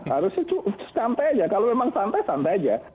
harusnya santai aja kalau memang santai santai aja